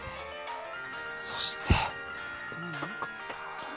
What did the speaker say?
そして。